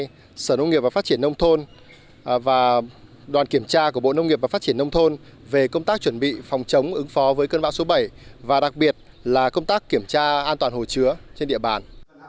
theo sở nông nghiệp và phát triển nông thôn và đoàn kiểm tra của bộ nông nghiệp và phát triển nông thôn về công tác chuẩn bị phòng chống ứng phó với cơn bão số bảy và đặc biệt là công tác kiểm tra an toàn hồ chứa trên địa bàn